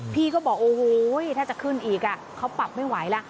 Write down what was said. พี่ก็บอกโอ้โหถ้าจะขึ้นอีกเขาปรับไม่ไหวแล้ว